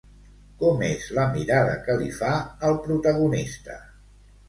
Com és la mirada que li fa al protagonista?